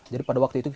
jadi pada waktu itu